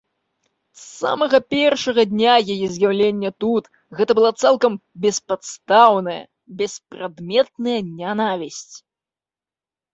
З самага першага дня яе з'яўлення тут гэта была цалкам беспадстаўная, беспрадметная нянавісць.